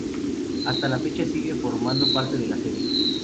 Hasta la fecha sigue formando parte de la serie.